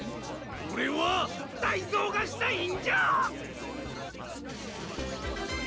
おれはたいそうがしたいんじゃ！